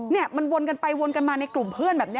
เนี่ยมันวนกันไปวนกันมาในกลุ่มเพื่อนแบบนี้